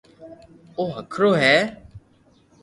او ھڪرو ھي